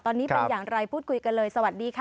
ตอนนี้เป็นอย่างไรพูดคุยกันเลยสวัสดีค่ะ